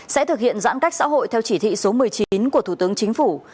sẽ thực hiện giãn cách xã hội theo chỉ thị số một mươi chín của thủ tướng chính phủ